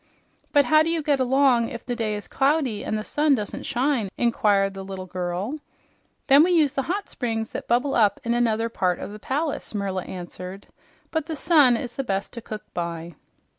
"But how do you get along if the day is cloudy, and the sun doesn't shine?" inquired the little girl. "Then we use the hot springs that bubble up in another part of the palace," Merla answered. "But the sun is the best to cook by."